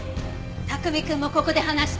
卓海くんもここで放して。